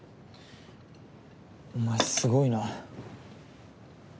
お前すごいな。